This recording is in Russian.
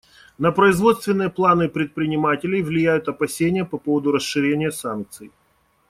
На производственные планы предпринимателей влияют опасения по поводу расширения санкций.